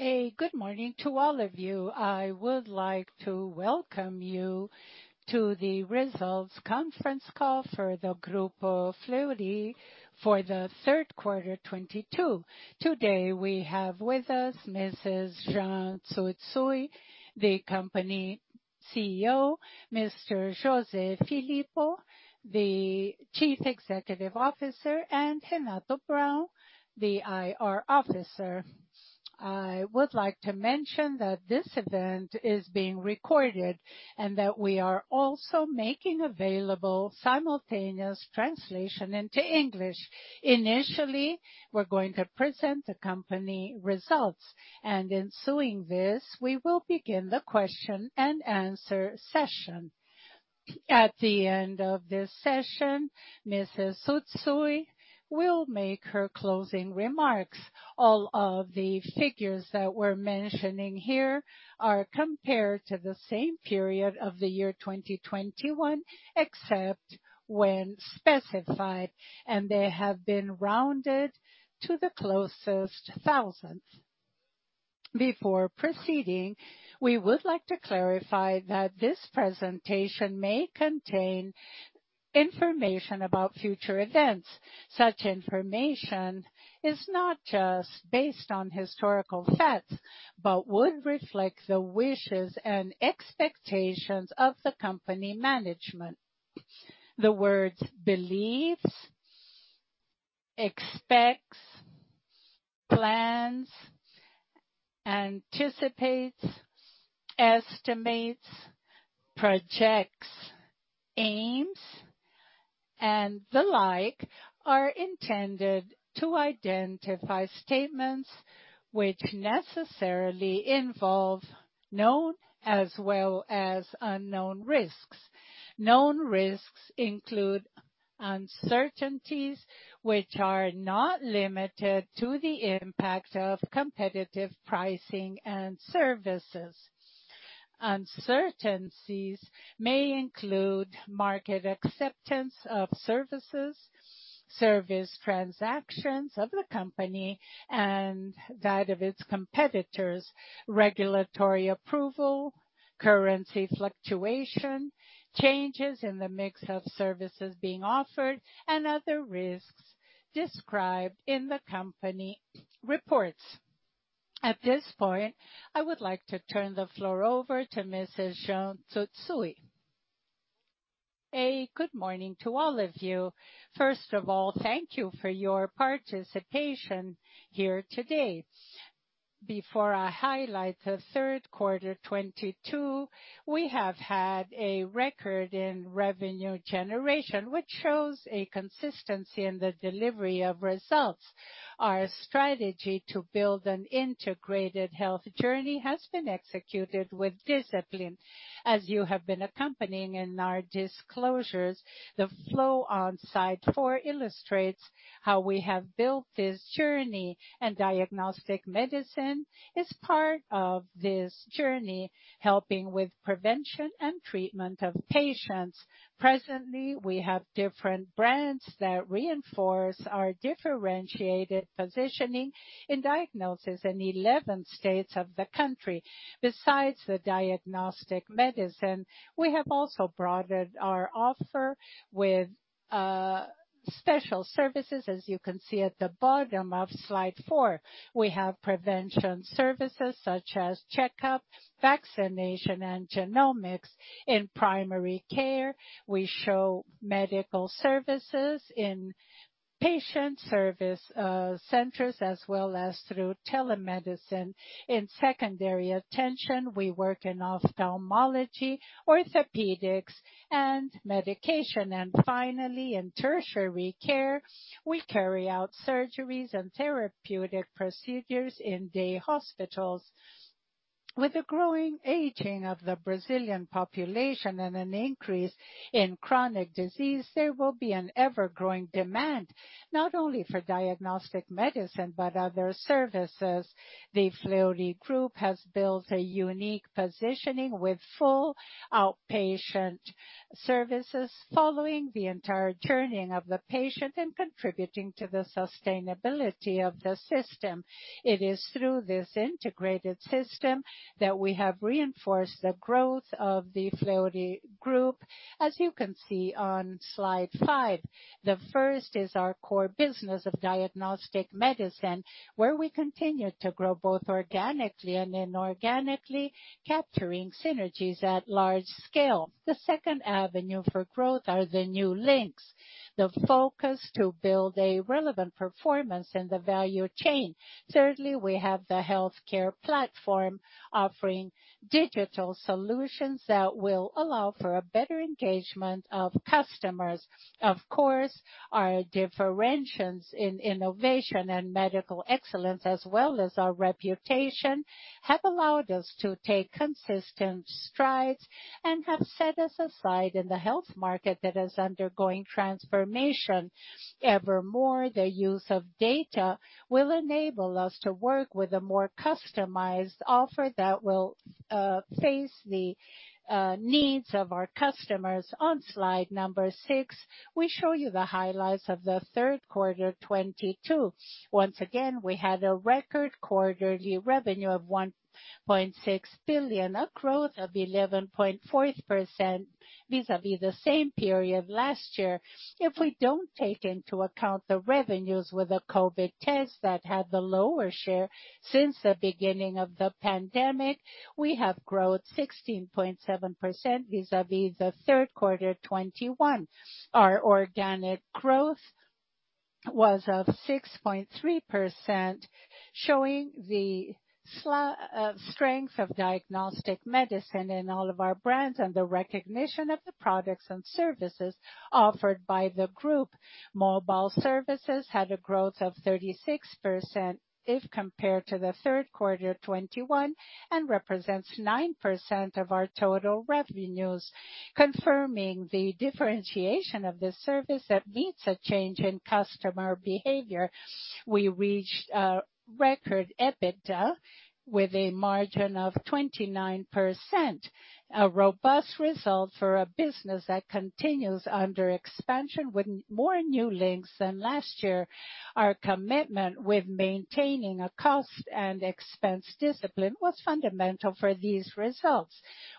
Good morning to all of you. I would like to welcome you to the results conference call for the Grupo Fleury for the third quarter 2022. Today we have with us Mrs. Jeane Tsutsui, the company CEO. Mr. José Filippo, the Chief Financial Officer, and Renato Braun, the IR officer. I would like to mention that this event is being recorded, and that we are also making available simultaneous translation into English. Initially, we're going to present the company results, and ensuing this, we will begin the question and answer session. At the end of this session, Mrs. Tsutsui will make her closing remarks. All of the figures that we're mentioning here are compared to the same period of the year 2021, except when specified, and they have been rounded to the nearest thousand. Before proceeding, we would like to clarify that this presentation may contain information about future events. Such information is not just based on historical facts, but would reflect the wishes and expectations of the company management. The words beliefs, expects, plans, anticipates, estimates, projects, aims, and the like, are intended to identify statements which necessarily involve known as well as unknown risks. Known risks include uncertainties, which are not limited to the impact of competitive pricing and services. Uncertainties may include market acceptance of services, service transactions of the company and that of its competitors, regulatory approval, currency fluctuation, changes in the mix of services being offered, and other risks described in the company reports. At this point, I would like to turn the floor over to Mrs. Jeane Tsutsui. Good morning to all of you. First of all, thank you for your participation here today. Before I highlight the third quarter 2022, we have had a record in revenue generation, which shows a consistency in the delivery of results. Our strategy to build an integrated health journey has been executed with discipline. As you have been accompanying in our disclosures, the flow on slide four illustrates how we have built this journey. Diagnostic medicine is part of this journey, helping with prevention and treatment of patients. Presently, we have different brands that reinforce our differentiated positioning in diagnosis in 11 states of the country. Besides the diagnostic medicine, we have also broadened our offer with special services, as you can see at the bottom of slide four. We have prevention services such as checkup, vaccination, and genomics. In primary care, we show medical services in patient service centers as well as through telemedicine. In secondary care, we work in ophthalmology, orthopedics, and medication. Finally, in tertiary care, we carry out surgeries and therapeutic procedures in day hospitals. With the growing aging of the Brazilian population and an increase in chronic disease, there will be an ever-growing demand, not only for diagnostic medicine, but other services. The Fleury Group has built a unique positioning with full outpatient services following the entire journey of the patient and contributing to the sustainability of the system. It is through this integrated system that we have reinforced the growth of the Fleury Group. As you can see on slide five, the first is our core business of diagnostic medicine, where we continue to grow both organically and inorganically, capturing synergies at large scale. The second avenue for growth are the New Links, the focus to build a relevant performance in the value chain. Thirdly, we have the healthcare platform offering digital solutions that will allow for a better engagement of customers. Of course, our differentiations in innovation and medical excellence as well as our reputation have allowed us to take consistent strides and have set us aside in the health market that is undergoing transformation. Evermore, the use of data will enable us to work with a more customized offer that will face the needs of our customers. On slide number six, we show you the highlights of the third quarter 2022. Once again, we had a record quarterly revenue of 1.6 billion, a growth of 11.4% vis-à-vis the same period last year. If we don't take into account the revenues with the COVID test that had the lower share since the beginning of the pandemic, we have growth 16.7% vis-à-vis the third quarter 2021. Our organic growth was 6.3%, showing the strength of diagnostic medicine in all of our brands, and the recognition of the products and services offered by the group. Mobile services had a growth of 36% if compared to the third quarter 2021, and represents 9% of our total revenues, confirming the differentiation of the service that meets a change in customer behavior. We reached a record EBITDA with a margin of 29%. A robust result for a business that continues under expansion with more New Links than last year. Our commitment with maintaining a cost and expense discipline was fundamental for these results.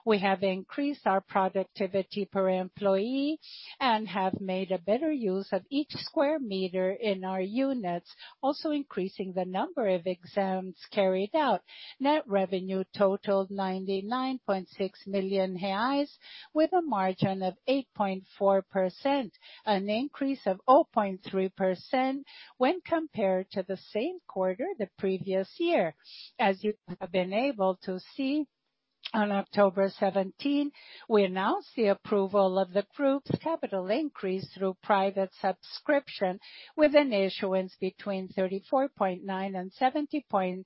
We have increased our productivity per employee and have made a better use of each square meter in our units, also increasing the number of exams carried out. Net revenue totaled 99.6 million reais with a margin of 8.4%, an increase of 0.3% when compared to the same quarter the previous year. As you have been able to see, on October 17, we announced the approval of the group's capital increase through private subscription with an issuance between 34.9 million and 70.6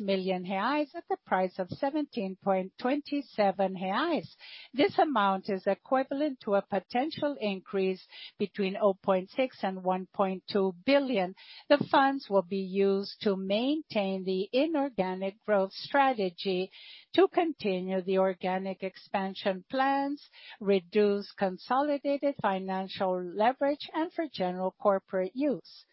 million reais at the price of 17.27 reais. This amount is equivalent to a potential increase between 0.6 billion and 1.2 billion. The funds will be used to maintain the inorganic growth strategy to continue the organic expansion plans, reduce consolidated financial leverage, and for general corporate use.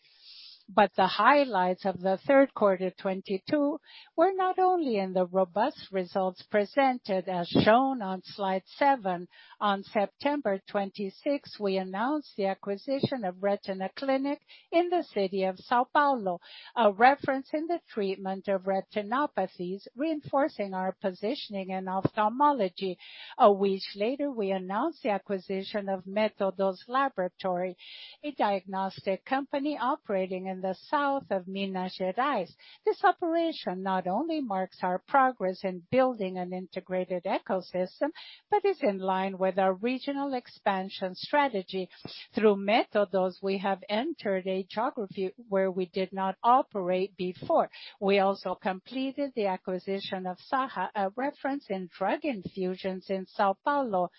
The highlights of the third quarter 2022 were not only in the robust results presented as shown on slide seven. On September 26, we announced the acquisition of Retina Clinic in the city of São Paulo, referencing the treatment of retinopathies, reinforcing our positioning in ophthalmology. A week later, we announced the acquisition of Méthodos Laboratório, a diagnostic company operating in the south of Minas Gerais. This operation not only marks our progress in building an integrated ecosystem, but is in line with our regional expansion strategy. Through Méthodos, we have entered a geography where we did not operate before. We also completed the acquisition of Saha, a reference in drug infusions in São Paulo.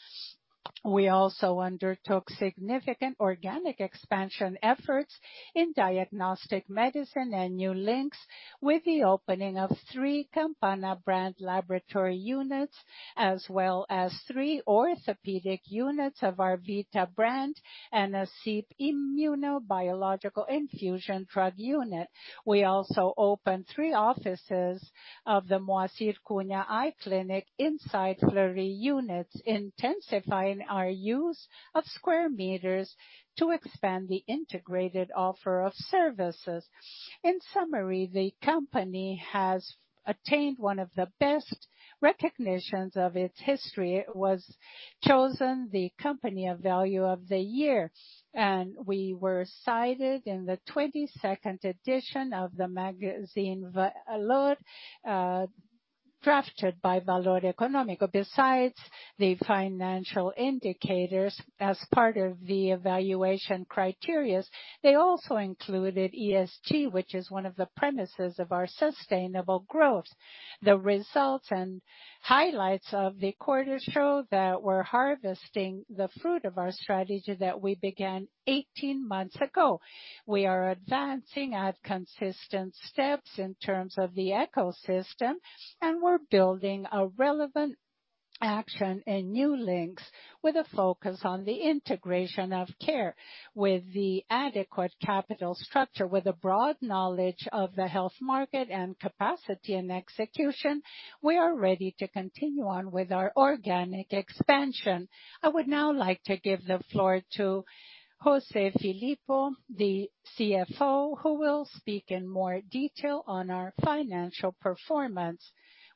We also undertook significant organic expansion efforts in diagnostic medicine and new links with the opening of three Campana brand laboratory units, as well as three orthopedic units of our Vita brand and a SIP immuno-biological infusion drug unit. We also opened three offices of the Moacir Cunha Eye Clinic inside Fleury units, intensifying our use of square meters to expand the integrated offer of services. In summary, the company has attained one of the best recognitions of its history. It was chosen the company of value of the year, and we were cited in the 22nd edition of the magazine V-Valor, drafted by Valor Econômico. Besides the financial indicators as part of the evaluation criteria, they also included ESG, which is one of the premises of our sustainable growth. The results and highlights of the quarter show that we're harvesting the fruit of our strategy that we began 18 months ago. We are advancing at consistent steps in terms of the ecosystem, and we're building a relevant action in New Links with a focus on the integration of care. With the adequate capital structure, with a broad knowledge of the health market and capacity and execution, we are ready to continue on with our organic expansion. I would now like to give the floor to José Filippo, the CFO, who will speak in more detail on our financial performance.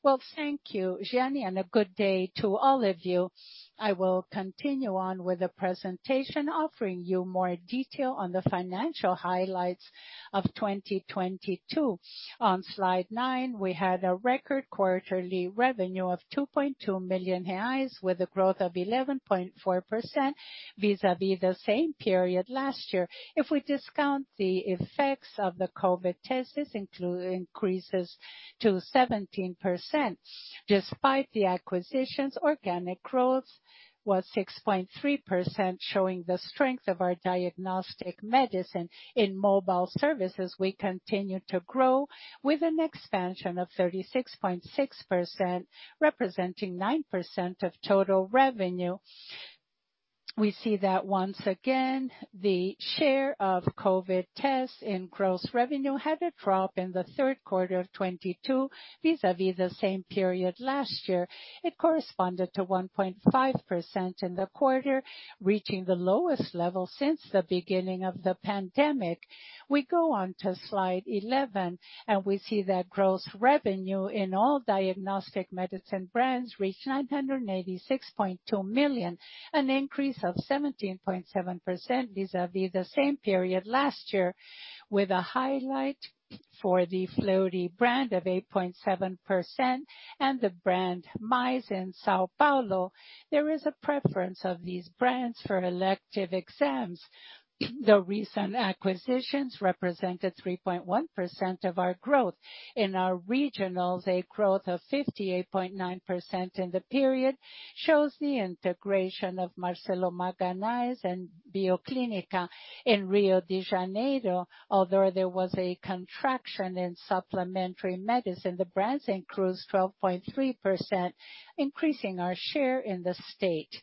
Well, thank you, Jeane, and a good day to all of you. I will continue on with the presentation, offering you more detail on the financial highlights of 2022. On slide nine, we had a record quarterly revenue of 2.2 million reais with a growth of 11.4% vis-a-vis the same period last year. If we discount the effects of the COVID tests, this include increases to 17%. Despite the acquisitions, organic growth was 6.3%, showing the strength of our diagnostic medicine. In mobile services, we continue to grow with an expansion of 36.6%, representing 9% of total revenue. We see that once again, the share of COVID tests in gross revenue had a drop in the third quarter of 2022 vis-a-vis the same period last year. It corresponded to 1.5% in the quarter, reaching the lowest level since the beginning of the pandemic. We go on to slide 11, and we see that gross revenue in all diagnostic medicine brands reached 986.2 million, an increase of 17.7% vis-à-vis the same period last year, with a highlight for the Fleury brand of 8.7% and the a+ brand in São Paulo. There is a preference of these brands for elective exams. The recent acquisitions represented 3.1% of our growth. In our regionals, a growth of 58.9% in the period shows the integration of Marcelo Magalhães and Bioclínico in Rio de Janeiro. Although there was a contraction in supplementary medicine, the brands increased 12.3%, increasing our share in the state.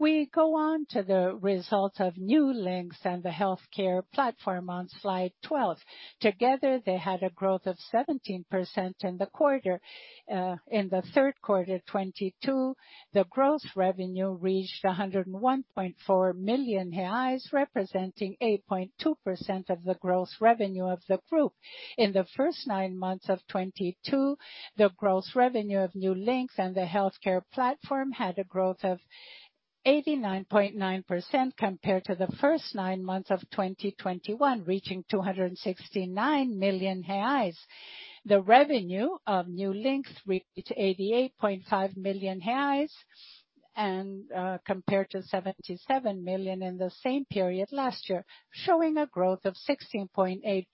We go on to the results of New Links and the healthcare platform on slide 12. Together, they had a growth of 17% in the quarter. In the third quarter 2022, the gross revenue reached 101.4 million reais, representing 8.2% of the gross revenue of the group. In the first nine months of 2022, the gross revenue of New Links and the healthcare platform had a growth of 89.9% compared to the first nine months of 2021, reaching 269 million reais. The revenue of New Links reached 88.5 million reais and, compared to 77 million in the same period last year, showing a growth of 16.8%.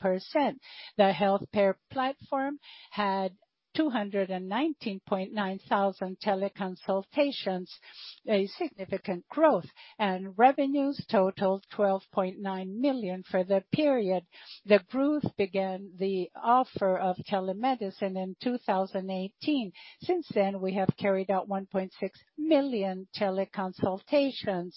The healthcare platform had 219,900 teleconsultations, a significant growth, and revenues totaled 12.9 million for the period. The group began the offer of telemedicine in 2018. Since then, we have carried out 1.6 million teleconsultations.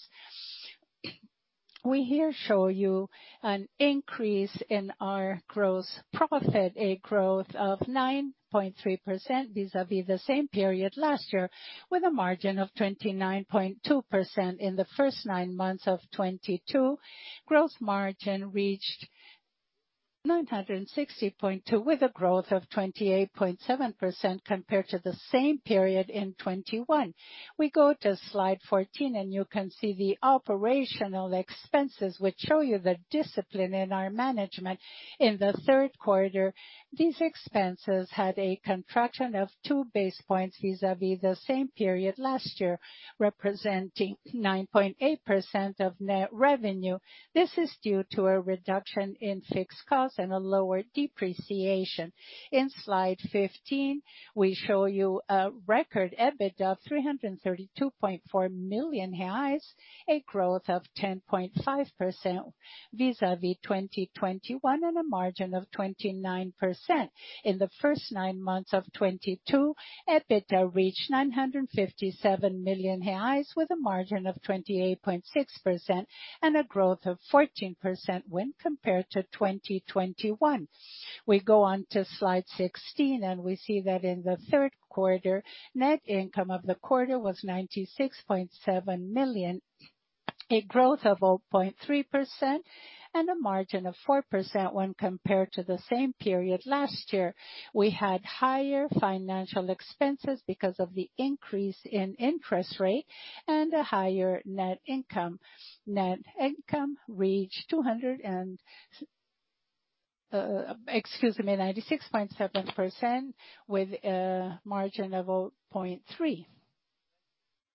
We here show you an increase in our gross profit, a growth of 9.3% vis-a-vis the same period last year, with a margin of 29.2%. In the first nine months of 2022, gross margin reached 96.02%, with a growth of 28.7% compared to the same period in 2021. We go to slide 14 and you can see the operational expenses which show you the discipline in our management. In the third quarter, these expenses had a contraction of 2 basis points vis-à-vis the same period last year, representing 9.8% of net revenue. This is due to a reduction in fixed costs and a lower depreciation. In slide 15, we show you a record EBITDA of 332.4 million reais, a growth of 10.5% vis-à-vis 2021, and a margin of 29%. In the first nine months of 2022, EBITDA reached 957 million reais with a margin of 28.6% and a growth of 14% when compared to 2021. We go on to slide 16, and we see that in the third quarter, net income of the quarter was 96.7 million, a growth of 0.3% and a margin of 4% when compared to the same period last year. We had higher financial expenses because of the increase in interest rate and a lower net income. Net income reached 96.7% with a margin of 0.3%.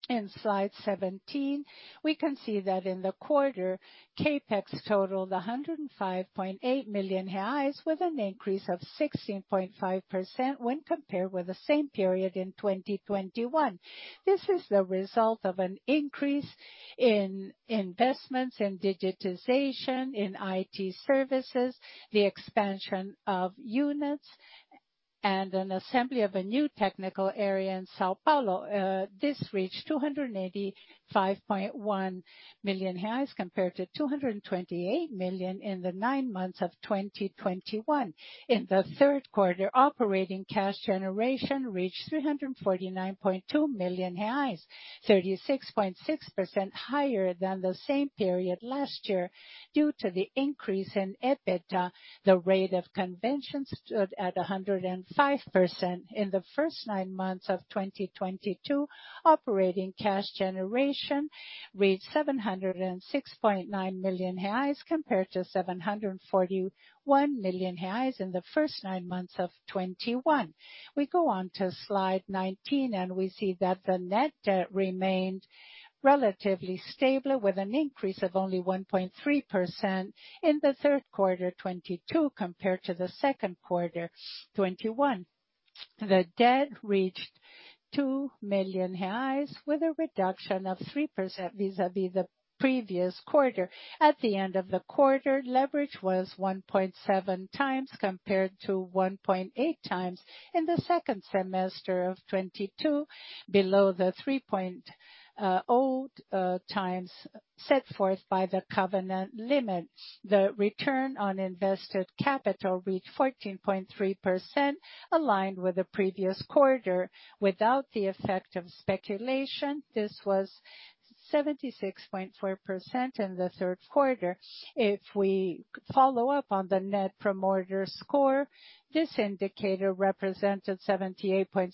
In slide 17, we can see that in the quarter, CapEx totaled 105.8 million reais with an increase of 16.5% when compared with the same period in 2021. This is the result of an increase in investments in digitization, in IT services, the expansion of units, and an assembly of a new technical area in São Paulo. This reached 285.1 million reais compared to 228 million in the nine months of 2021. In the third quarter, operating cash generation reached 349.2 million reais, 36.6% higher than the same period last year. Due to the increase in EBITDA, the rate of conversion stood at 105%. In the first nine months of 2022, operating cash generation reached 706.9 million reais compared to 741 million reais in the first nine months of 2021. We go on to slide 19, and we see that the net debt remained relatively stable with an increase of only 1.3% in the third quarter 2022 compared to the second quarter 2021. The debt reached 2 million reais with a reduction of 3% vis-à-vis the previous quarter. At the end of the quarter, leverage was 1.7x compared to 1.8x in the second semester of 2022, below the 3x set forth by the covenant limits. The return on invested capital reached 14.3%, aligned with the previous quarter. Without the effect of speculation, this was 76.4% in the third quarter. If we follow up on the net promoter score, this indicator represented 78.6%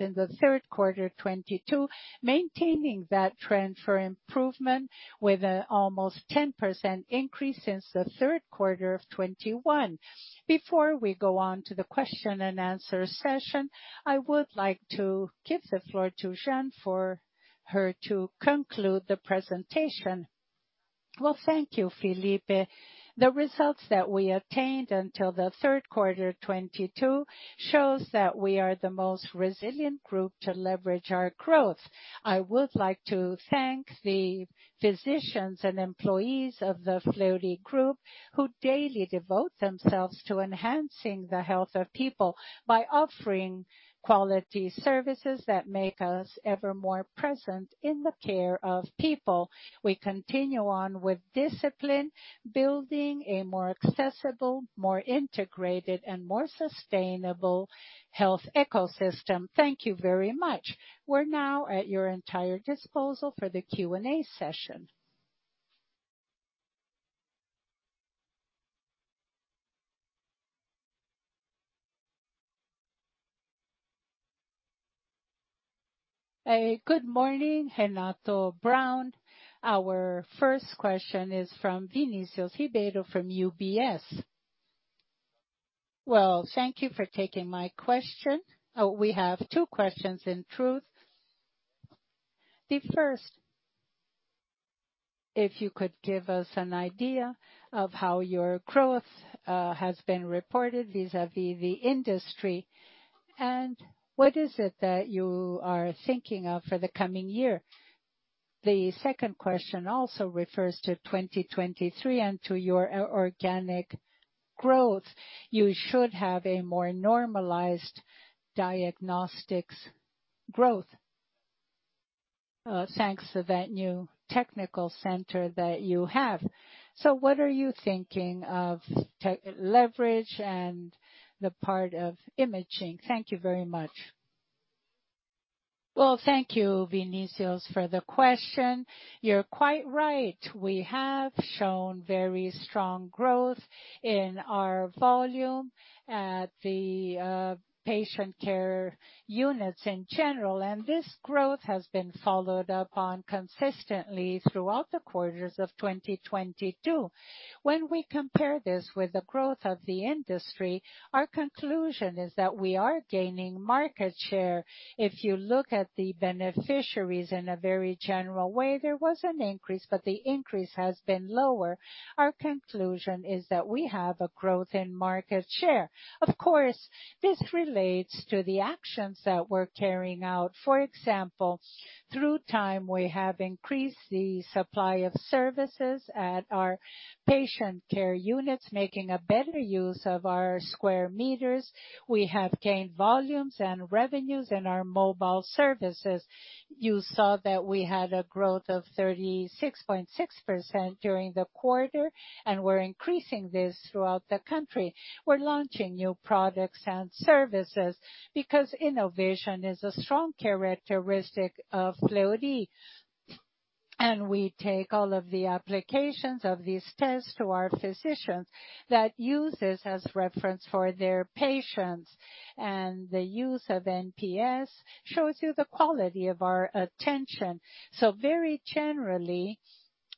in the third quarter of 2022, maintaining that trend for improvement with an almost 10% increase since the third quarter of 2021. Before we go on to the question and answer session, I would like to give the floor to Jeane for her to conclude the presentation. Well, thank you, Felipe. The results that we attained until the third quarter of 2022 shows that we are the most resilient group to leverage our growth. I would like to thank the physicians and employees of the Fleury Group, who daily devote themselves to enhancing the health of people by offering quality services that make us ever more present in the care of people. We continue on with discipline, building a more accessible, more integrated, and more sustainable health ecosystem. Thank you very much. We're now at your entire disposal for the Q&A session. Good morning, Renato Braun. Our first question is from Vinicius Ribeiro from UBS. Well, thank you for taking my question. We have two questions in truth. The first, if you could give us an idea of how your growth has been reported vis-à-vis the industry. What is it that you are thinking of for the coming year? The second question also refers to 2023 and to your organic growth. You should have a more normalized diagnostics growth, thanks to that new technical center that you have. What are you thinking of to leverage and the part of imaging? Thank you very much. Well, thank you, Vinicius, for the question. You're quite right. We have shown very strong growth in our volume at the patient care units in general. This growth has been followed up on consistently throughout the quarters of 2022. When we compare this with the growth of the industry, our conclusion is that we are gaining market share. If you look at the beneficiaries in a very general way, there was an increase, but the increase has been lower. Our conclusion is that we have a growth in market share. Of course, this relates to the actions that we're carrying out. For example, through time, we have increased the supply of services at our patient care units, making a better use of our square meters. We have gained volumes and revenues in our mobile services. You saw that we had a growth of 36.6% during the quarter, and we're increasing this throughout the country. We're launching new products and services because innovation is a strong characteristic of Fleury. We take all of the applications of these tests to our physicians that use this as reference for their patients. The use of NPS shows you the quality of our attention. Very generally,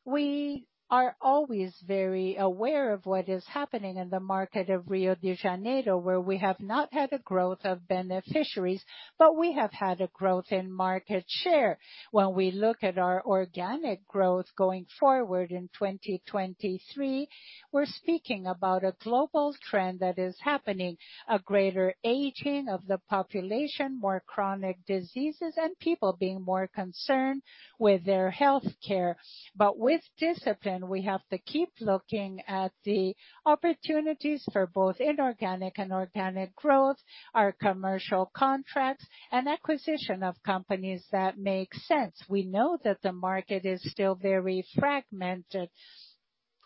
we are always very aware of what is happening in the market of Rio de Janeiro, where we have not had a growth of beneficiaries, but we have had a growth in market share. When we look at our organic growth going forward in 2023, we're speaking about a global trend that is happening, a greater aging of the population, more chronic diseases, and people being more concerned with their healthcare. With discipline, we have to keep looking at the opportunities for both inorganic and organic growth, our commercial contracts, and acquisition of companies that make sense. We know that the market is still very fragmented.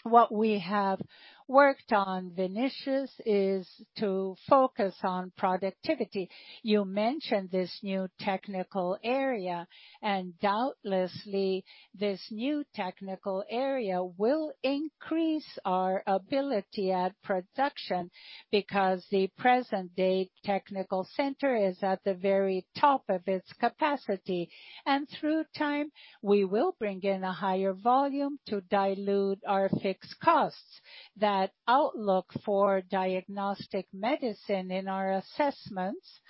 What we have worked on, Vinicius, is to focus on productivity. You mentioned this new technical area. Doubtlessly, this new technical area will increase our ability at production because the present-day technical center is at the very top of its capacity. Through time, we will bring in a higher volume to dilute our fixed costs. That outlook for diagnostic medicine in our assessments,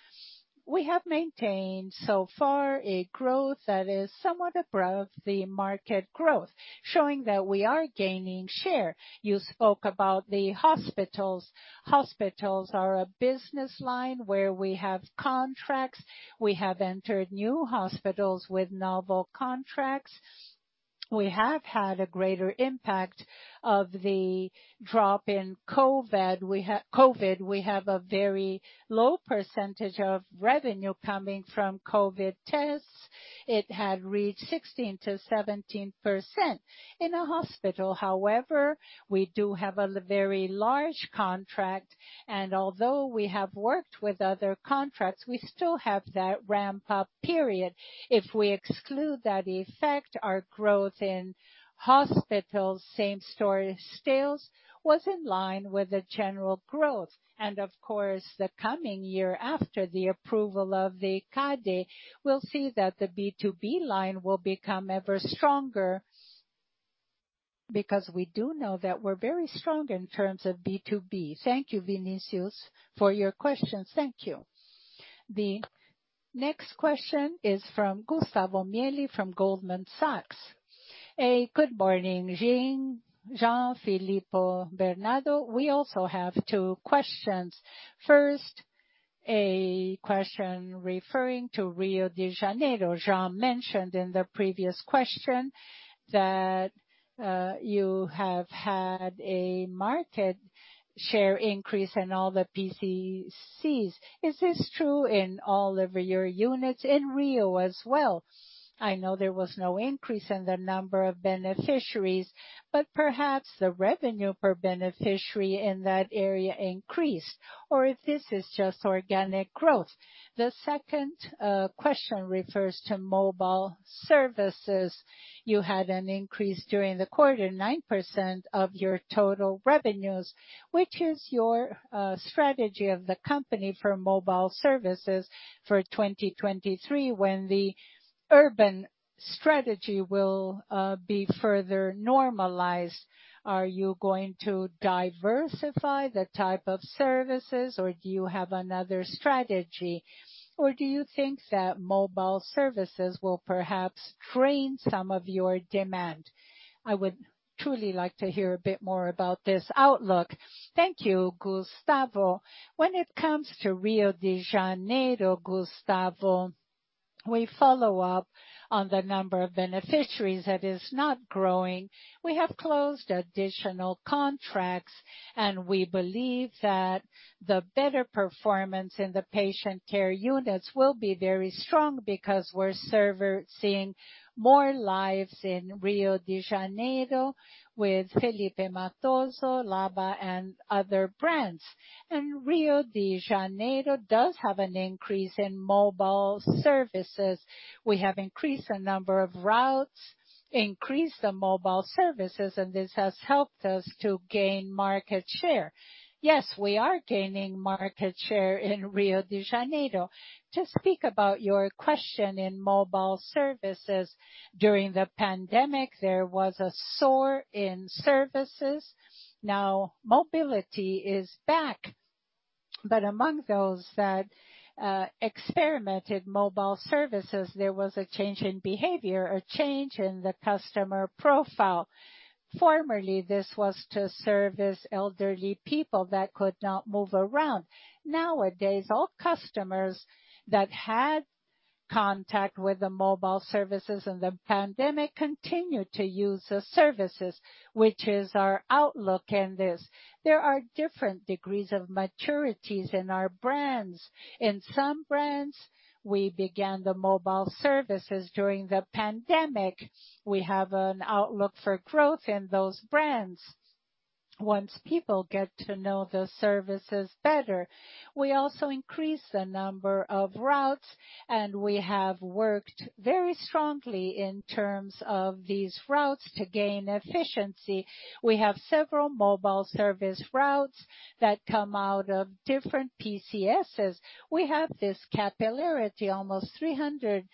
we have maintained so far a growth that is somewhat above the market growth, showing that we are gaining share. You spoke about the hospitals. Hospitals are a business line where we have contracts. We have entered new hospitals with novel contracts. We have had a greater impact of the drop in COVID. We have a very low percentage of revenue coming from COVID tests. It had reached 16%-17%. In a hospital, however, we do have a very large contract, and although we have worked with other contracts, we still have that ramp-up period. If we exclude that effect, our growth in hospitals, same-store sales was in line with the general growth. Of course, the coming year after the approval of the CADE, we'll see that the B2B line will become ever stronger because we do know that we're very strong in terms of B2B. Thank you, Vinicius, for your questions. Thank you. The next question is from Gustavo Miele from Goldman Sachs. Good morning, Jean, Filippo, Bernardo. We also have two questions. First, a question referring to Rio de Janeiro. Jean mentioned in the previous question that you have had a market share increase in all the PSCs. Is this true in all of your units in Rio as well? I know there was no increase in the number of beneficiaries, but perhaps the revenue per beneficiary in that area increased, or if this is just organic growth. The second question refers to mobile services. You had an increase during the quarter, 9% of your total revenues, which is your strategy of the company for mobile services for 2023 when the urban strategy will be further normalized. Are you going to diversify the type of services, or do you have another strategy? Or do you think that mobile services will perhaps drain some of your demand? I would truly like to hear a bit more about this outlook. Thank you, Gustavo. When it comes to Rio de Janeiro, Gustavo, we follow up on the number of beneficiaries that is not growing. We have closed additional contracts, and we believe that the better performance in the patient care units will be very strong because we're seeing more lives in Rio de Janeiro with Felippe Mattoso, Labs a+, and other brands. Rio de Janeiro does have an increase in mobile services. We have increased the number of routes, increased the mobile services, and this has helped us to gain market share. Yes, we are gaining market share in Rio de Janeiro. To speak about your question in mobile services, during the pandemic, there was a surge in services. Now, mobility is back. But among those that experienced mobile services, there was a change in behavior, a change in the customer profile. Formerly, this was to service elderly people that could not move around. Nowadays, all customers that had contact with the mobile services in the pandemic continue to use the services, which is our outlook in this. There are different degrees of maturity in our brands. In some brands, we began the mobile services during the pandemic. We have an outlook for growth in those brands once people get to know the services better. We also increase the number of routes, and we have worked very strongly in terms of these routes to gain efficiency. We have several mobile service routes that come out of different PSCs. We have this capillarity, almost 300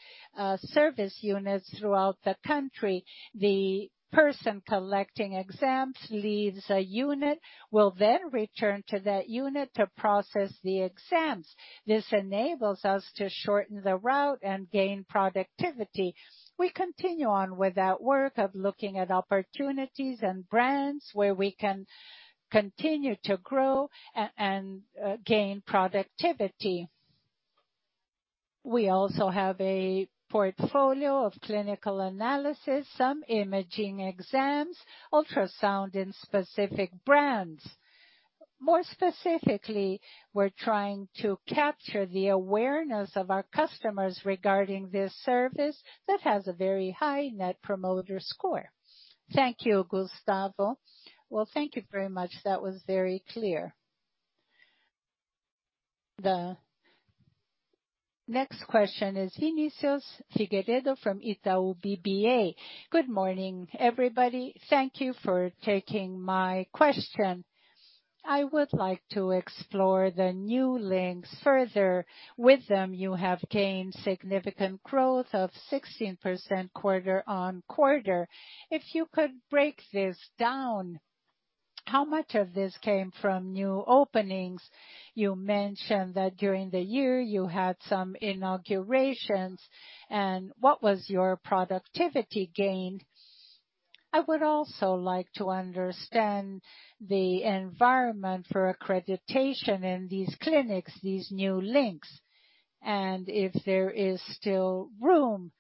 service units throughout the country. The person collecting exams leaves a unit, will then return to that unit to process the exams. This enables us to shorten the route and gain productivity. We continue on with that work of looking at opportunities and brands where we can continue to grow and gain productivity. We also have a portfolio of clinical analysis, some imaging exams, ultrasound in specific brands. More specifically, we're trying to capture the awareness of our customers regarding this service that has a very high Net Promoter Score. Thank you, Gustavo. Well, thank you very much. That was very clear. The next question is Vinicius Figueiredo from Itaú BBA. Good morning, everybody. Thank you for taking my question. I would like to explore the New Links further. With them, you have gained significant growth of 16% quarter-on-quarter. If you could break this down, how much of this came from new openings? You mentioned that during the year you had some inaugurations, and what was your productivity gain? I would also like to understand the environment for accreditation in these clinics, these New Links, and if there is still room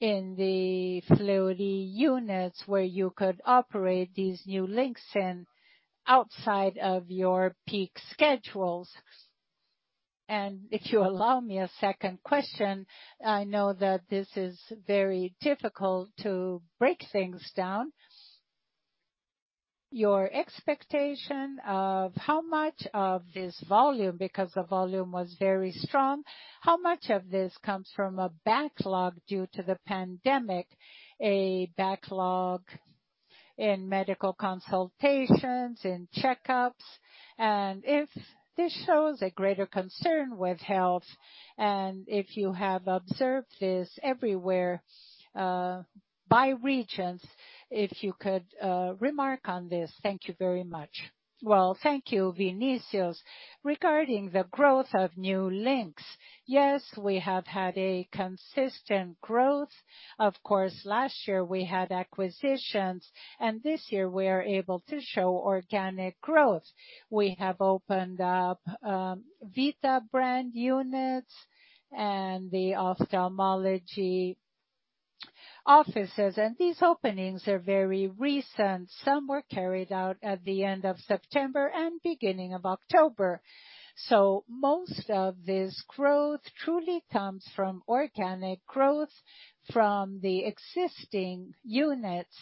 in the Fleury units where you could operate these New Links outside of your peak schedules. If you allow me a second question, I know that this is very difficult to break things down. Your expectation of how much of this volume, because the volume was very strong, how much of this comes from a backlog due to the pandemic, a backlog in medical consultations, in checkups, and if this shows a greater concern with health, and if you have observed this everywhere, by regions. If you could remark on this. Thank you very much. Well, thank you, Vinicius. Regarding the growth of New Links, yes, we have had a consistent growth. Of course, last year we had acquisitions, and this year we are able to show organic growth. We have opened up Vita brand units and the ophthalmology offices, and these openings are very recent. Some were carried out at the end of September and beginning of October. Most of this growth truly comes from organic growth from the existing units.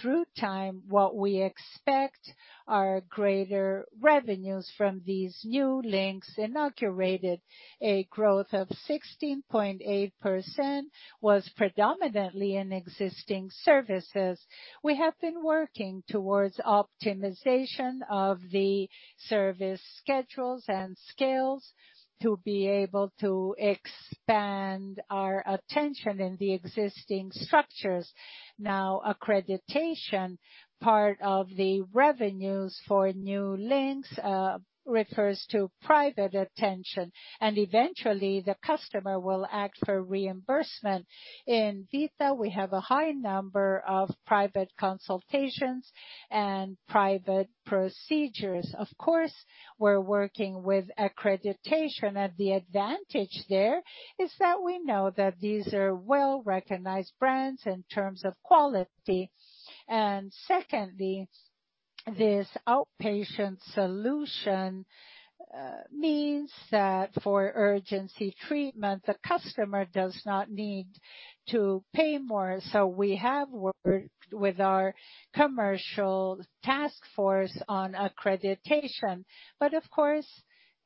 Through time, what we expect are greater revenues from these New Links inaugurated. A growth of 16.8% was predominantly in existing services. We have been working towards optimization of the service schedules and skills to be able to expand our attention in the existing structures. Now, accreditation, part of the revenues for New Links, refers to private attention, and eventually the customer will ask for reimbursement. In Vita, we have a high number of private consultations and private procedures. Of course, we're working with accreditation. The advantage there is that we know that these are well-recognized brands in terms of quality. Secondly, this outpatient solution means that for urgency treatment, the customer does not need to pay more. We have worked with our commercial task force on accreditation. Of course,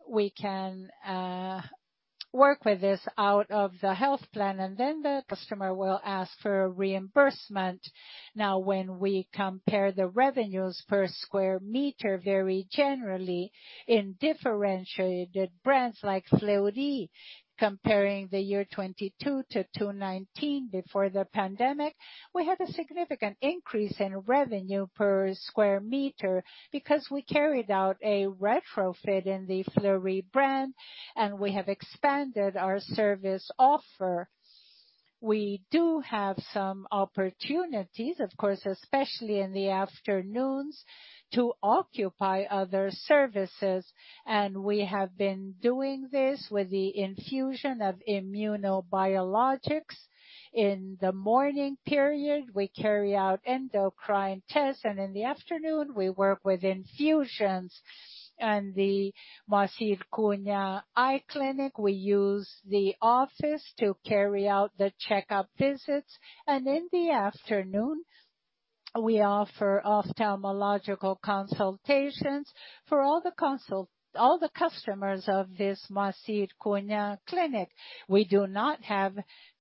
we can work with this out of the health plan, and then the customer will ask for reimbursement. Now, when we compare the revenues per square meter, very generally in differentiated brands like Fleury, comparing the year 2022 to 2019 before the pandemic, we had a significant increase in revenue per square meter because we carried out a retrofit in the Fleury brand and we have expanded our service offer. We do have some opportunities, of course, especially in the afternoons, to occupy other services. We have been doing this with the infusion of immunobiologics. In the morning period, we carry out endocrine tests, and in the afternoon we work with infusions. In the Moacir Cunha Eye Clinic we use the office to carry out the checkup visits, and in the afternoon we offer ophthalmological consultations for all the customers of this Moacir Cunha Clinic. We do not have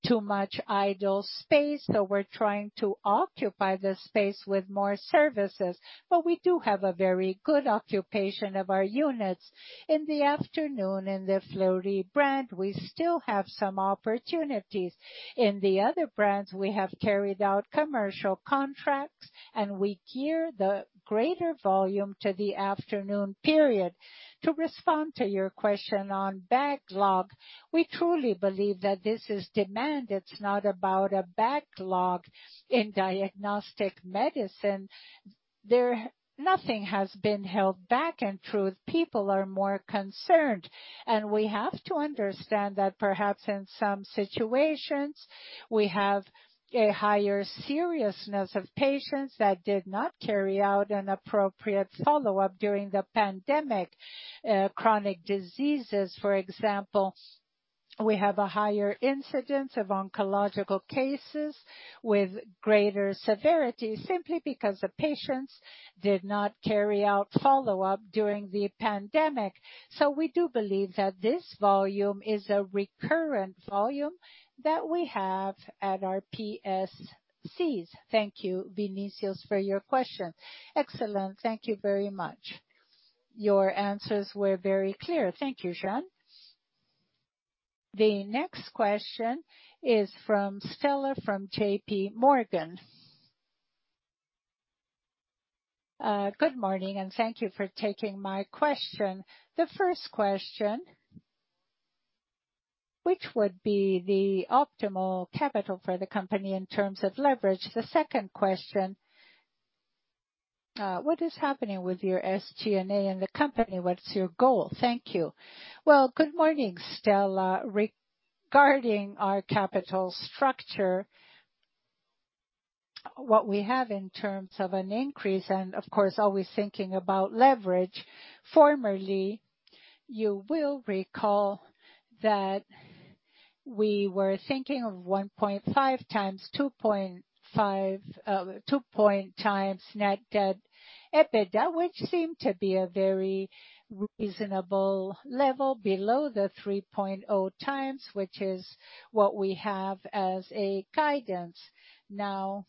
too much idle space, so we're trying to occupy the space with more services. We do have a very good occupation of our units. In the afternoon in the Fleury brand we still have some opportunities. In the other brands, we have carried out commercial contracts, and we gear the greater volume to the afternoon period. To respond to your question on backlog, we truly believe that this is demand. It's not about a backlog in diagnostic medicine. Nothing has been held back. In truth, people are more concerned. We have to understand that perhaps in some situations we have a higher seriousness of patients that did not carry out an appropriate follow-up during the pandemic. Chronic diseases, for example. We have a higher incidence of oncological cases with greater severity simply because the patients did not carry out follow-up during the pandemic. We do believe that this volume is a recurrent volume that we have at our PSCs. Thank you, Vinicius, for your question. Excellent. Thank you very much. Your answers were very clear. Thank you, Jeane. The next question is from Stella, from JPMorgan. Good morning, and thank you for taking my question. The first question, which would be the optimal capital for the company in terms of leverage? The second question, what is happening with your SG&A in the company? What's your goal? Thank you. Well, good morning, Stella. Regarding our capital structure, what we have in terms of an increase and, of course, always thinking about leverage, formerly, you will recall that we were thinking of 1.5x-2.5x net debt to EBITDA, which seemed to be a very reasonable level below the 3.0x, which is what we have as a guidance. Now,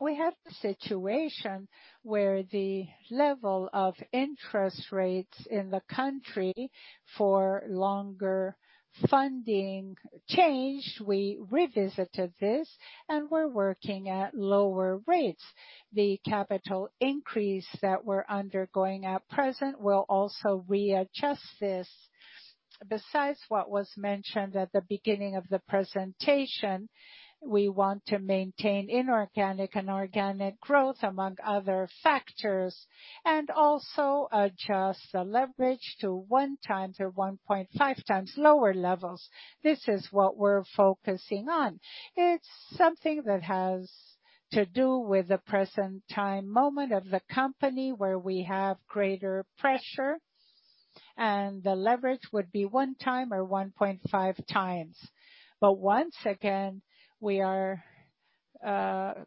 we have a situation where the level of interest rates in the country for longer funding changed. We revisited this, and we're working at lower rates. The capital increase that we're undergoing at present will also readjust this. Besides what was mentioned at the beginning of the presentation, we want to maintain inorganic and organic growth, among other factors, and also adjust the leverage to 1x-1.5x lower levels. This is what we're focusing on. It's something that has to do with the present time moment of the company where we have greater pressure and the leverage would be 1x or 1.5x. But once again, we are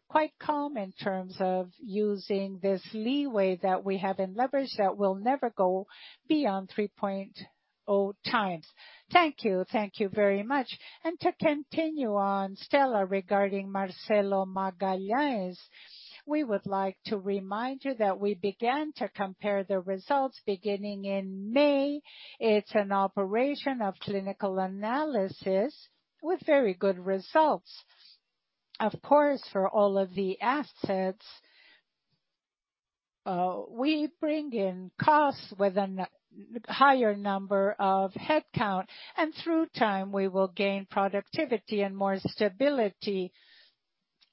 quite calm in terms of using this leeway that we have in leverage that will never go beyond 3.0x. Thank you. Thank you very much. To continue on, Stella, regarding Marcelo Magalhães, we would like to remind you that we began to compare the results beginning in May. It's an operation of clinical analysis with very good results. Of course, for all of the assets, we bring in costs with a higher number of headcount, and through time, we will gain productivity and more stability.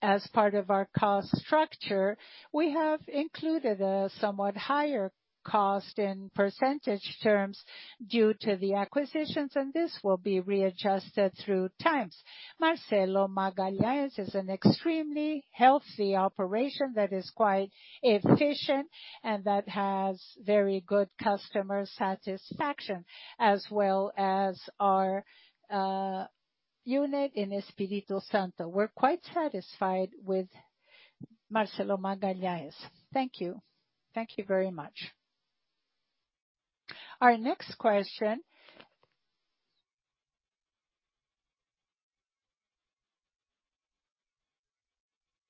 As part of our cost structure, we have included a somewhat higher cost in percentage terms due to the acquisitions, and this will be readjusted through times. Marcelo Magalhães is an extremely healthy operation that is quite efficient and that has very good customer satisfaction, as well as our unit in Espírito Santo. We're quite satisfied with Marcelo Magalhães. Thank you. Thank you very much. Our next question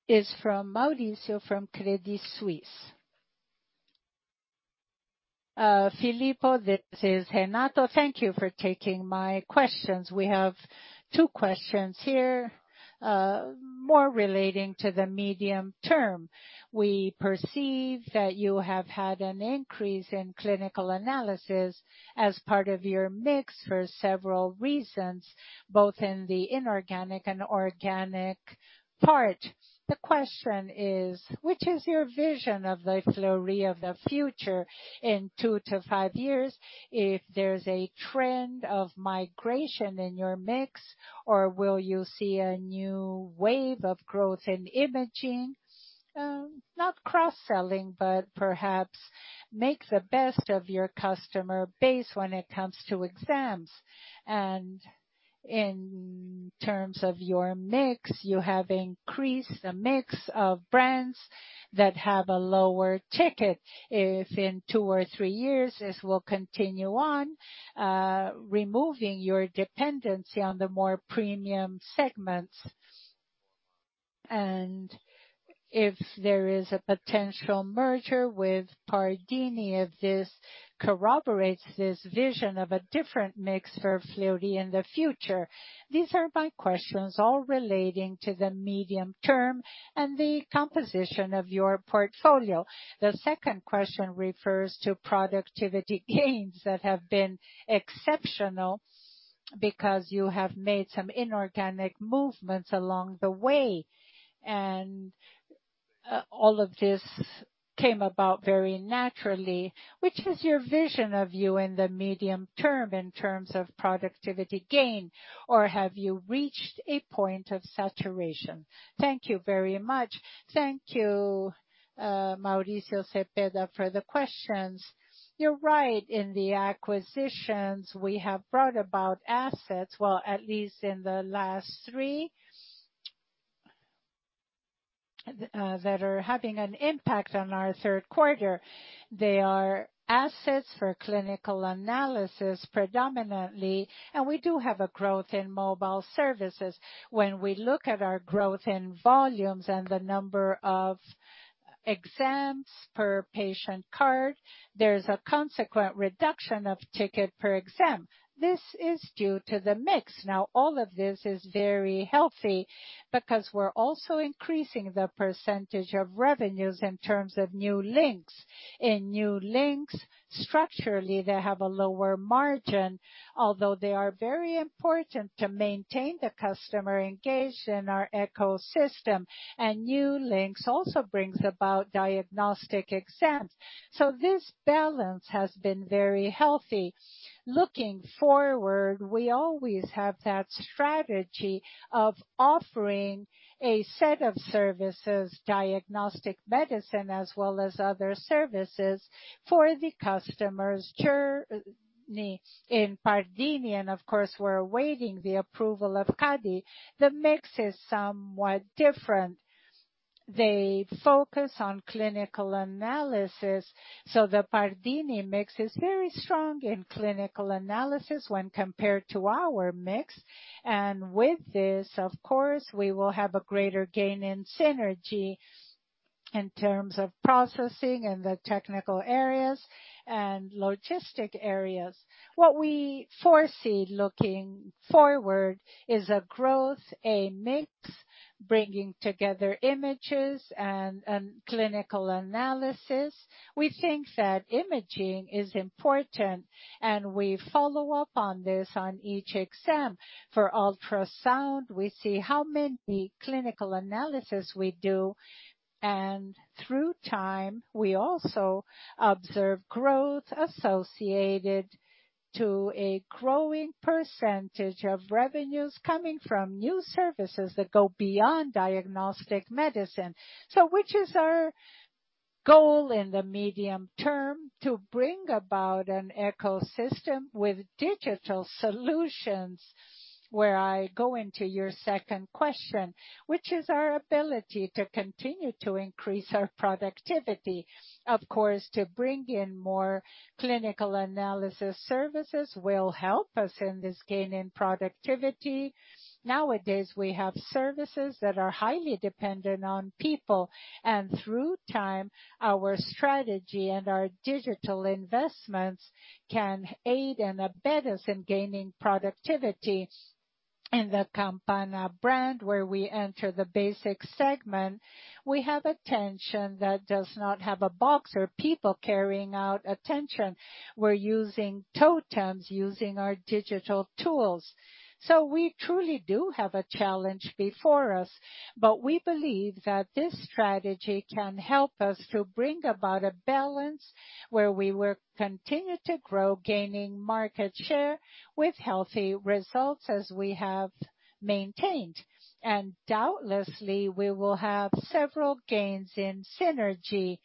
is from Mauricio from Credit Suisse. Filippo, this is Mauricio on for Renato. Thank you for taking my questions. We have two questions here, more relating to the medium-term. We perceive that you have had an increase in clinical analysis as part of your mix for several reasons, both in the inorganic and organic part. The question is, which is your vision of the Fleury of the future in 2-5 years? If there's a trend of migration in your mix or will you see a new wave of growth in imaging? Not cross-selling, but perhaps make the best of your customer base when it comes to exams. In terms of your mix, you have increased the mix of brands that have a lower ticket. If in two or three years this will continue on, removing your dependency on the more premium segments. If there is a potential merger with Pardini, if this corroborates this vision of a different mix for Fleury in the future. These are my questions all relating to the medium term and the composition of your portfolio. The second question refers to productivity gains that have been exceptional because you have made some inorganic movements along the way. All of this came about very naturally. What is your vision of you in the medium term in terms of productivity gain, or have you reached a point of saturation? Thank you very much. Thank you, Mauricio Cepeda for the questions. You're right. In the acquisitions, we have brought about assets, well, at least in the last three that are having an impact on our third quarter. They are assets for clinical analysis predominantly, and we do have a growth in mobile services. When we look at our growth in volumes and the number of exams per patient card. There's a consequent reduction of ticket per exam. This is due to the mix. Now all of this is very healthy because we're also increasing the percentage of revenues in terms of New Links. In New Links, structurally, they have a lower margin, although they are very important to maintain the customer engaged in our ecosystem. New Links also brings about diagnostic exams. This balance has been very healthy. Looking forward, we always have that strategy of offering a set of services, diagnostic medicine as well as other services for the customers. Currently in Pardini, of course, we're awaiting the approval of CADE. The mix is somewhat different. They focus on clinical analysis, so the Pardini mix is very strong in clinical analysis when compared to our mix. With this, of course, we will have a greater gain in synergy in terms of processing and the technical areas and logistics areas. What we foresee looking forward is a growth, a mix, bringing together imaging and clinical analysis. We think that imaging is important, and we follow up on this on each exam. For ultrasound, we see how many clinical analysis we do, and through time, we also observe growth associated to a growing percentage of revenues coming from new services that go beyond diagnostic medicine. Which is our goal in the medium term to bring about an ecosystem with digital solutions, where I go into your second question, which is our ability to continue to increase our productivity. Of course, to bring in more clinical analysis services will help us in this gain in productivity. Nowadays, we have services that are highly dependent on people, and through time, our strategy and our digital investments can aid and abet us in gaining productivity. In the Campana brand, where we enter the basic segment, we have a station that does not have a box or people carrying out attention. We're using totems, using our digital tools. We truly do have a challenge before us, but we believe that this strategy can help us to bring about a balance where we will continue to grow, gaining market share with healthy results as we have maintained. Doubtlessly, we will have several gains in synergy.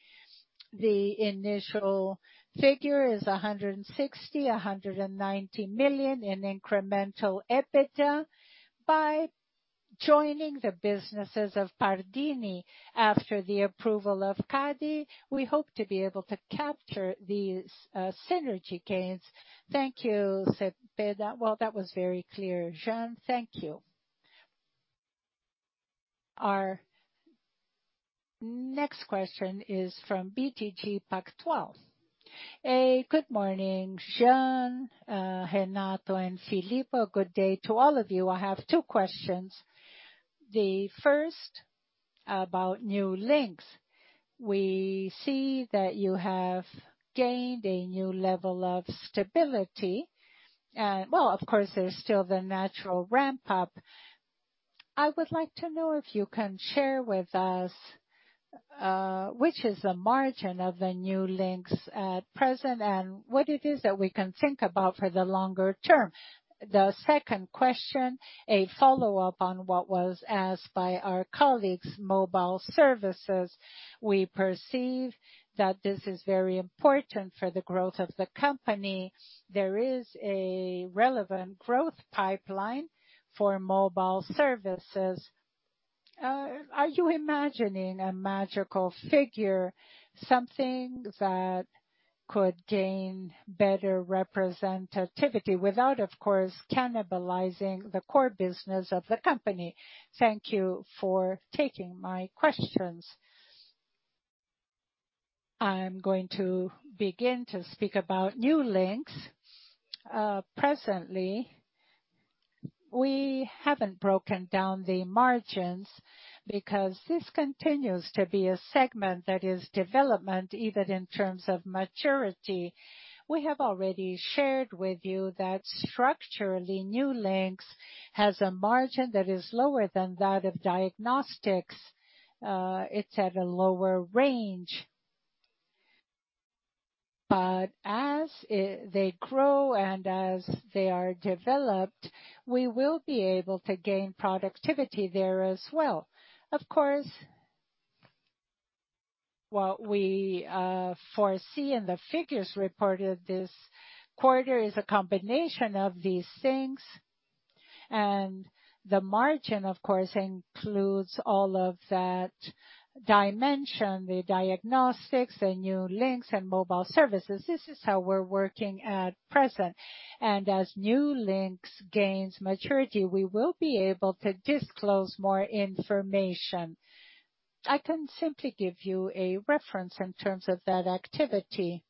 The initial figure is 160 million-190 million in incremental EBITDA. By joining the businesses of Pardini after the approval of CADE, we hope to be able to capture these synergy gains. Thank you, Cepeda. That was very clear, Jeane. Thank you. Our next question is from BTG Pactual. Good morning, Jeane, Renato and Filippo. Good day to all of you. I have two questions. The first about New Links. We see that you have gained a new level of stability. Well, of course, there's still the natural ramp-up. I would like to know if you can share with us, which is the margin of the New Links at present and what it is that we can think about for the longer term. The second question, a follow-up on what was asked by our colleagues, mobile services. We perceive that this is very important for the growth of the company. There is a relevant growth pipeline for mobile services. Are you imagining a magical figure, something that could gain better representativity without, of course, cannibalizing the core business of the company? Thank you for taking my questions. I'm going to begin to speak about New Links. Presently, we haven't broken down the margins because this continues to be a segment that is in development, even in terms of maturity. We have already shared with you that structurally, New Links has a margin that is lower than that of diagnostics. It's at a lower range. As they grow and as they are developed, we will be able to gain productivity there as well. Of course, what we foresee in the figures reported this quarter is a combination of these things. The margin, of course, includes all of that dimension, the diagnostics, the New Links and mobile services. This is how we're working at present. As New Links gains maturity, we will be able to disclose more information. I can simply give you a reference in terms of that activity.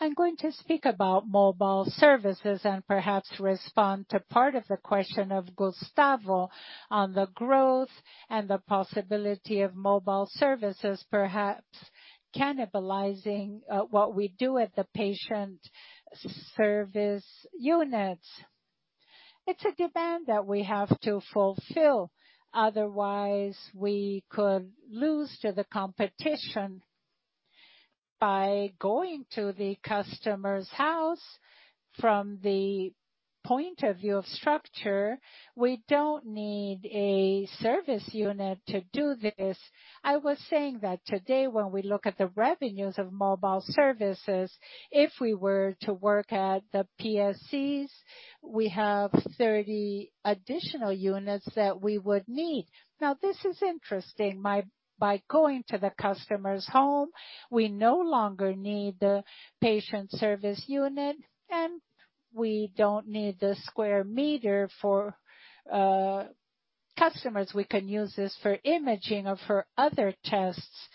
I'm going to speak about mobile services and perhaps respond to part of the question of Gustavo on the growth and the possibility of mobile services, perhaps cannibalizing what we do at the patient service units. It's a demand that we have to fulfill, otherwise we could lose to the competition. By going to the customer's house from the point of view of structure, we don't need a service unit to do this. I was saying that today when we look at the revenues of mobile services, if we were to work at the PSCs, we have 30 additional units that we would need. Now, this is interesting. By going to the customer's home, we no longer need the patient service unit, and we don't need the square meter for customers. We can use this for imaging or for other tests.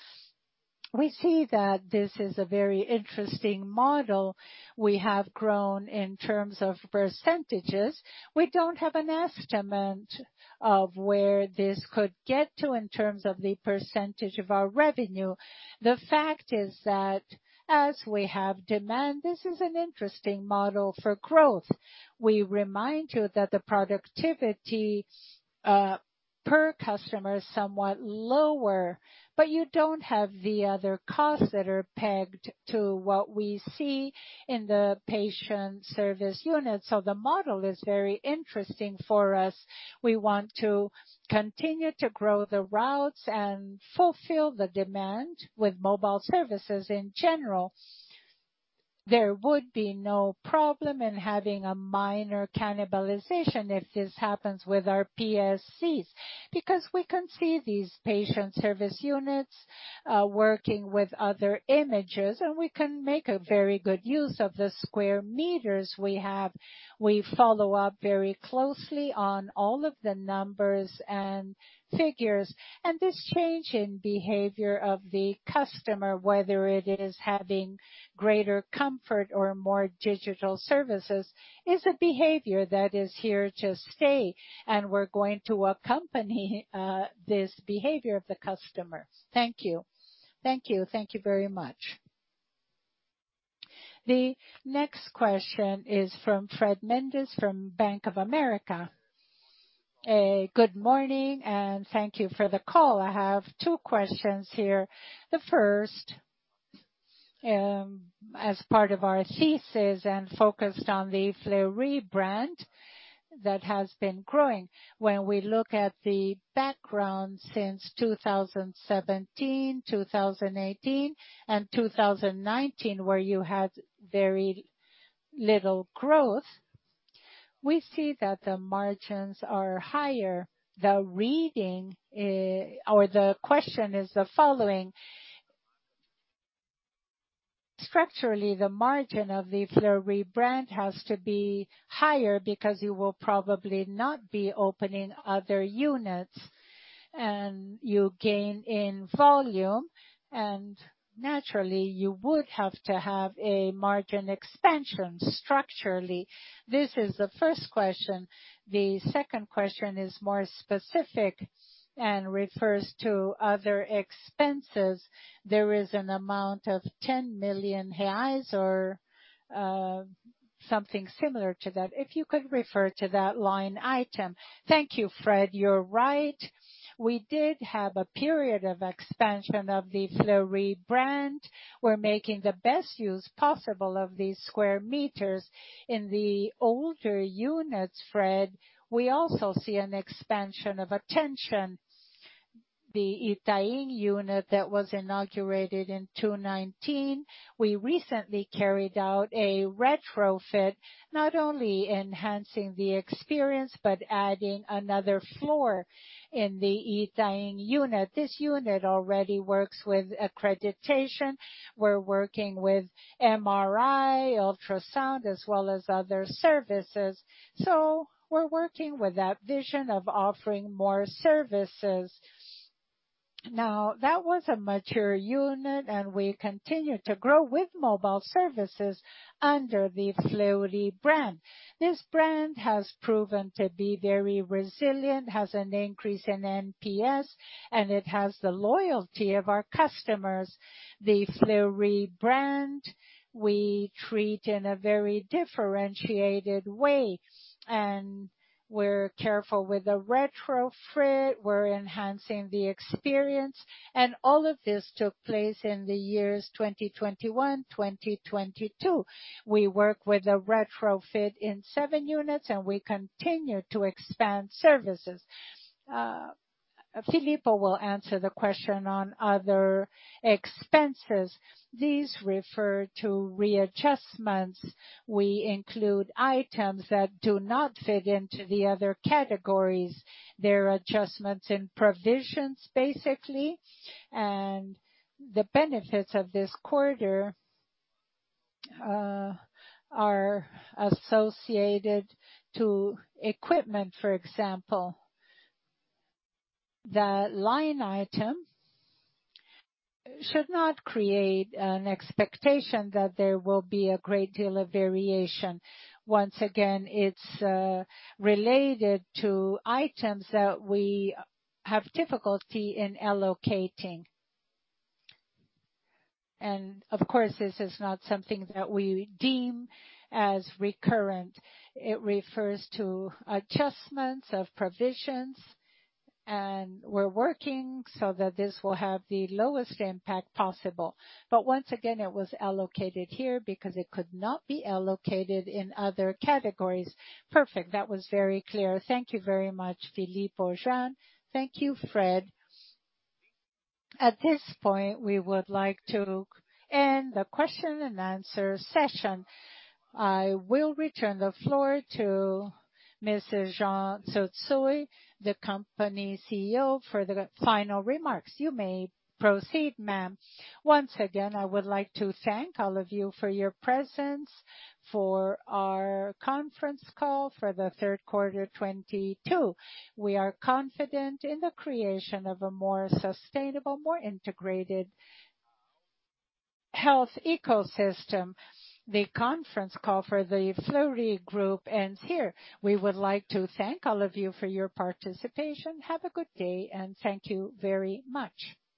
We see that this is a very interesting model. We have grown in terms of percentages. We don't have an estimate of where this could get to in terms of the percentage of our revenue. The fact is that as we have demand, this is an interesting model for growth. We remind you that the productivity per customer is somewhat lower, but you don't have the other costs that are pegged to what we see in the patient service unit. The model is very interesting for us. We want to continue to grow the routes and fulfill the demand with mobile services in general. There would be no problem in having a minor cannibalization if this happens with our PSCs, because we can see these patient service units working with other images, and we can make a very good use of the square meters we have. We follow up very closely on all of the numbers and figures, and this change in behavior of the customer, whether it is having greater comfort or more digital services, is a behavior that is here to stay, and we're going to accompany this behavior of the customer. Thank you very much. The next question is from Fred Mendes from Bank of America. Good morning, and thank you for the call. I have two questions here. The first, as part of our thesis and focused on the Fleury brand that has been growing. When we look at the background since 2017, 2018, and 2019, where you had very little growth, we see that the margins are higher. The reading, or the question is the following: structurally, the margin of the Fleury brand has to be higher because you will probably not be opening other units, and you gain in volume, and naturally you would have to have a margin expansion structurally. This is the first question. The second question is more specific and refers to other expenses. There is an amount of 10 million reais or, something similar to that, if you could refer to that line item. Thank you, Fred. You're right. We did have a period of expansion of the Fleury brand. We're making the best use possible of these square meters. In the older units, Fred, we also see an expansion of attendance. The Itaim unit that was inaugurated in 2019, we recently carried out a retrofit, not only enhancing the experience, but adding another floor in the Itaim unit. This unit already works with accreditation. We're working with MRI, ultrasound, as well as other services. We're working with that vision of offering more services. Now, that was a mature unit, and we continue to grow with mobile services under the Fleury brand. This brand has proven to be very resilient, has an increase in NPS, and it has the loyalty of our customers. The Fleury brand we treat in a very differentiated way, and we're careful with the retrofit. We're enhancing the experience. All of this took place in the years 2021, 2022. We work with a retrofit in seven units, and we continue to expand services. Filippo will answer the question on other expenses. These refer to readjustments. We include items that do not fit into the other categories. They're adjustments in provisions, basically, and the benefits of this quarter are associated to equipment, for example. The line item should not create an expectation that there will be a great deal of variation. Once again, it's related to items that we have difficulty in allocating. Of course, this is not something that we deem as recurrent. It refers to adjustments of provisions, and we're working so that this will have the lowest impact possible. Once again, it was allocated here because it could not be allocated in other categories. Perfect. That was very clear. Thank you very much, Fillipo and Jeane. Thank you, Fred. At this point, we would like to end the question and answer session. I will return the floor to Mrs. Jeane Tsutsui, the company CEO, for the final remarks. You may proceed, ma'am. Once again, I would like to thank all of you for your presence for our conference call for the third quarter 2022. We are confident in the creation of a more sustainable, more integrated health ecosystem. The conference call for the Fleury Group ends here. We would like to thank all of you for your participation. Have a good day, and thank you very much.